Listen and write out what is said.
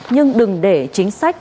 nhưng đừng để chính sách